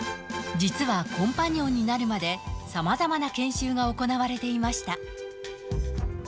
実はコンパニオンになるまで、さまざまな研修が行われていました。